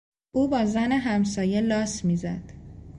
او با زن همسایه لاس میزد.